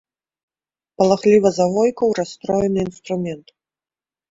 Палахліва завойкаў расстроены інструмент.